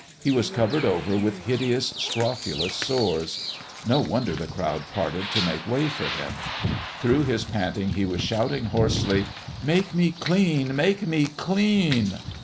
He was covered over with hideous, scrofulous sores. No wonder the crowd parted to make way for him. Through his panting he was shouting, hoarsely, "Make me clean! Make me clean!"